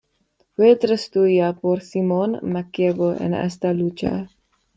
Fue destruida por Simón Macabeo en esta lucha.